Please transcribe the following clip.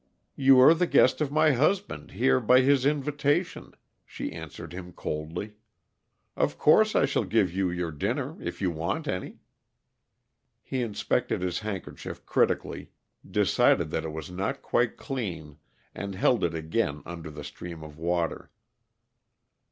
"You are the guest of my husband, here by his invitation," she answered him coldly. "Of course I shall give you your dinner, if you want any." He inspected his handkerchief critically, decided that it was not quite clean, and held it again under the stream of water.